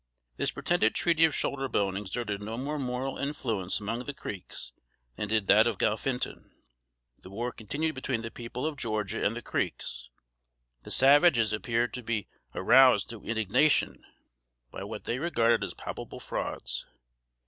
This pretended Treaty of Shoulderbone exerted no more moral influence among the Creeks than did that of Galphinton. The war continued between the people of Georgia and the Creeks. The savages appeared to be aroused to indignation by what they regarded as palpable frauds.